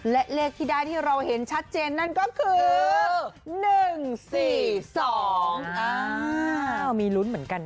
และเลขที่ได้ที่เราเห็นชัดเจนนั่นก็คือ๑๔๒อ้าวมีลุ้นเหมือนกันนะ